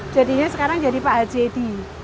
jadinya sekarang jadi pak haji